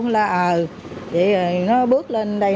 là ừ vậy rồi nó bước lên đây